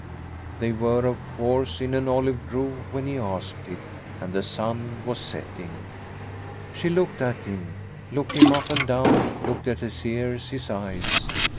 They were, of course, in an olive grove when he asked it, and the sun was setting. She looked at him, looked him up and down, looked at his ears, his eyes.